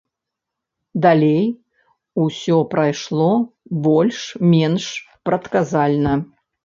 Далей усё прайшло больш-менш прадказальна.